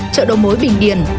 chợ đầu mối bình điền